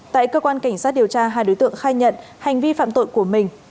tại cơ quan cảnh sát điều tra hai đối tượng khai nhận hành vi phạm tội của mình